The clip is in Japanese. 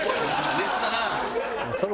寝てたな。